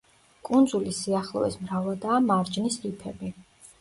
კუნძულის სიახლოვეს მრავლადაა მარჯნის რიფები.